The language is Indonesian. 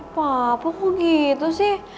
apa apa kok gitu sih